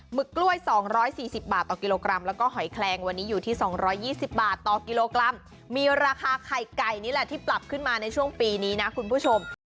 ึกกล้วย๒๔๐บาทต่อกิโลกรัมแล้วก็หอยแคลงวันนี้อยู่ที่๒๒๐บาทต่อกิโลกรัมมีราคาไข่ไก่นี่แหละที่ปรับขึ้นมาในช่วงปีนี้นะคุณผู้ชม